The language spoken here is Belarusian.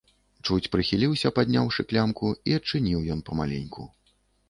Чуць прыхіліўся, падняўшы клямку, і адчыніў ён памаленьку.